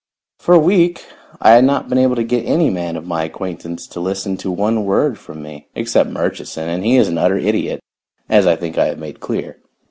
For a week I had not been able to get any man of my acquaintance to listen to one word from me, except Murchison, and he is an utter idiot, as I think I have made clear.